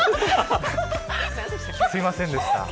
すみませんでした。